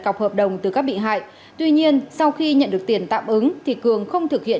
cọc hợp đồng từ các bị hại tuy nhiên sau khi nhận được tiền tạm ứng thì cường không thực hiện